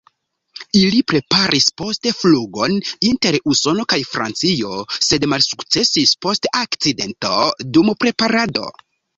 Ili preparis poste flugon inter Usono kaj Francio sed malsukcesis post akcidento dum preparado.